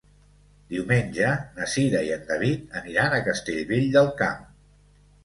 Diumenge na Cira i en David aniran a Castellvell del Camp.